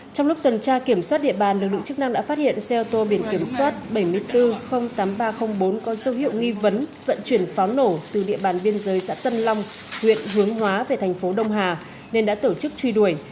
trong lúc tuần tra kiểm soát địa bàn lực lượng chức năng đã phát hiện xe ô tô biển kiểm soát bảy mươi bốn tám nghìn ba trăm linh bốn có dấu hiệu nghi vấn vận chuyển pháo nổ từ địa bàn biên giới xã tân long huyện hướng hóa về thành phố đông hà nên đã tổ chức truy đuổi